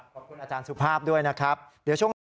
ขอบคุณอาจารย์สุภาพด้วยนะครับเดี๋ยวช่วงหน้า